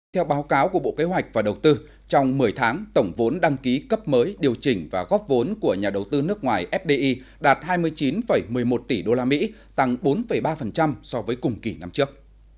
theo báo cáo của bộ kế hoạch và đầu tư trong một mươi tháng tổng vốn đăng ký cấp mới điều chỉnh và góp vốn của nhà đầu tư nước ngoài fdi đạt hai mươi chín một mươi một tỷ usd tăng bốn ba so với cùng kỳ năm trước